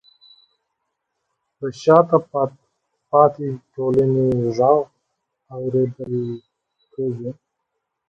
د شاته پاتې ټولنو غږ اورېدل کیږي.